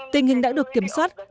tình hình đã được kiểm soát